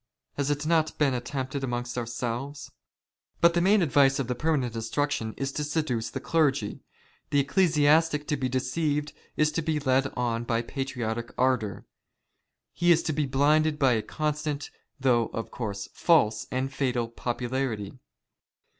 Has it not been attempted amongst ourselves ? But the main advice of the permanent instruction is to seduce the clergy. The ecclesiastic to be deceived is to be led on by patriotic ardour. He is to be blinded by a constant, though, of course, false, and fatal popularity.